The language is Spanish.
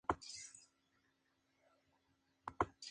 Es autora de varios libros sobre el tema.